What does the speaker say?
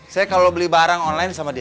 saya kalau beli barang online sama dia